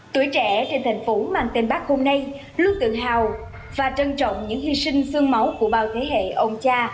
tuổi trẻ trên thành phố mang tên bác hôm nay luôn tự hào và trân trọng những hy sinh sương máu của bao thế hệ ông cha